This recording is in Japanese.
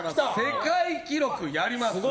世界記録やります